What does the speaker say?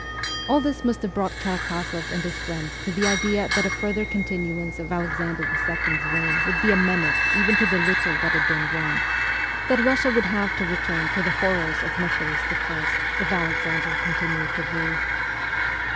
All this must have brought Karak6zoff and his friends to the idea that a further continuance of Alexander II. 's reign would be a menace even to the little that had been won ; that Russia would have to return to the horrors of Nicholas I. if Alexander continued to rule.